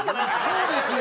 そうですよ！